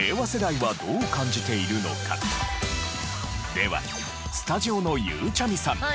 ではスタジオのゆうちゃみさん。